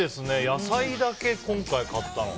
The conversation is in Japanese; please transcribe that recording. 野菜だけ、今回買ったの。